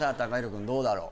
君どうだろう